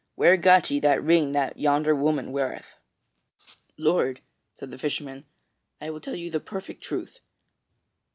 Where got ye that ring that yonder woman weareth?" "Lord," said the fisherman, "I will tell you the perfect truth.